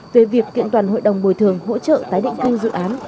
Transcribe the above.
về việc kiện toàn hội đồng bồi thường hỗ trợ tái định cư dự án